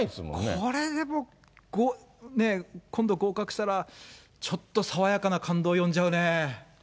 これ、でも、ね、今度合格したら、ちょっと爽やかな感動よんじゃうね。